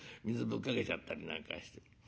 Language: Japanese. ぶっかけちゃったりなんかして。